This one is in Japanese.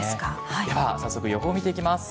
では早速、予報を見ていきます。